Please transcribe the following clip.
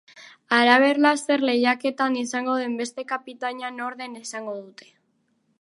Halaber, laster lehiaketan izango den beste kapitaina nor den esango dute.